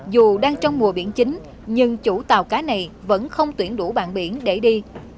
dù đang trong mùa biển chính nhưng chủ tàu cá này vẫn không tuyển đủ bản biển để đi